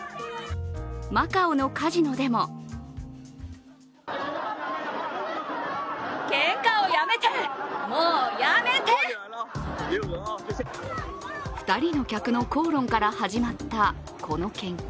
マカオのカジノでも２人の客の口論から始まったこのけんか。